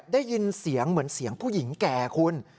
ได้ยินเสียงเหมือนเสียงผู้หญิงแก่คุณ